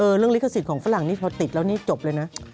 เรื่องลิขสิทธิ์ของฝรั่งนี่พอติดแล้วนี่จบเลยนะ